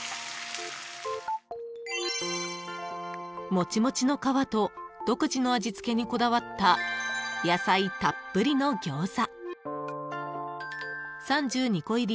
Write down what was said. ［もちもちの皮と独自の味付けにこだわった野菜たっぷりの餃子］